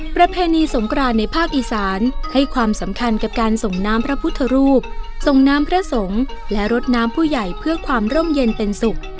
ประเพณีสงกรานในภาคอีสานให้ความสำคัญกับการส่งน้ำพระพุทธรูปส่งน้ำพระสงฆ์และรดน้ำผู้ใหญ่เพื่อความร่มเย็นเป็นสุข